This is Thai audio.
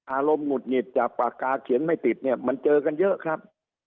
อารมณ์หงุดหงิดจากปากกาเขียนไม่ติดเนี่ยมันเจอกันเยอะครับ